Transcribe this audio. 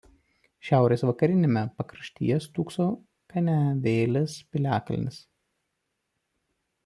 Šiaurės vakariniame pakraštyje stūkso Kaniavėlės piliakalnis.